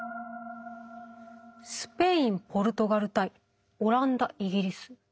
スペインポルトガル対オランダイギリス。